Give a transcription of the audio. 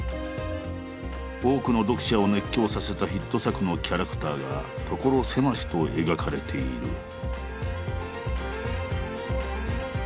多くの読者を熱狂させたヒット作のキャラクターが所狭しと描かれている。